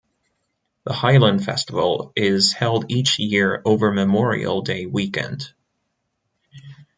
The Highland Festival is held each year over Memorial Day weekend.